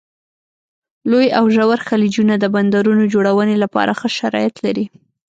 لوی او ژور خلیجونه د بندرونو جوړونې لپاره ښه شرایط لري.